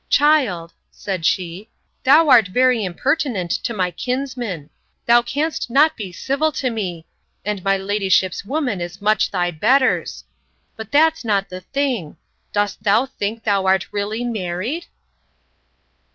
Child, said she, thou art very impertinent to my kinsman; thou can'st not be civil to me; and my ladyship's woman is much thy betters. But that's not the thing!—Dost thou think thou art really married?